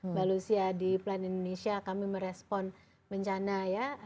mbak lucia di plan indonesia kami merespon bencana ya